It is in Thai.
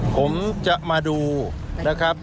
ผมจะมาดูนะครับ